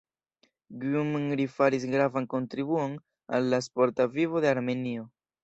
Gjumri faris gravan kontribuon al la sporta vivo de Armenio.